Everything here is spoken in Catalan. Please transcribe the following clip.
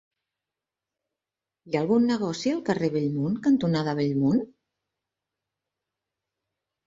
Hi ha algun negoci al carrer Bellmunt cantonada Bellmunt?